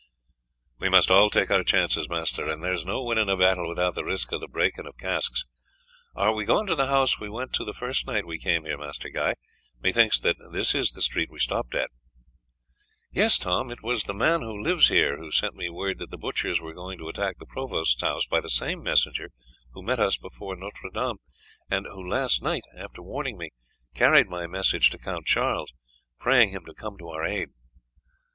"We must all take our chances, master, and there is no winning a battle without the risk of the breaking of casques. Are we going to the house we went to the first night we came here, Master Guy? Methinks that this is the street we stopped at." "Yes, Tom. It was the man who lives here who sent me word that the butchers were going to attack the provost's house, by the same messenger who met us before Notre Dame, and who last night, after warning me, carried my message to Count Charles, praying him to come to our aid."